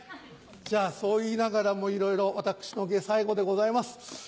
じゃあそう言いながらもいろいろ私の芸最後でございます。